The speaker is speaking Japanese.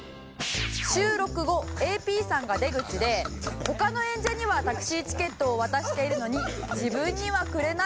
収録後ＡＰさんが出口で他の演者にはタクシーチケットを渡しているのに自分にはくれない。